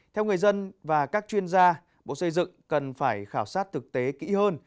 theo người dân và các chuyên gia bộ xây dựng cần phải khảo sát thực tế kỹ hơn